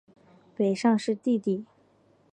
北尚是弟弟。